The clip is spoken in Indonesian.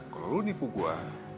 kalau lu nipu gua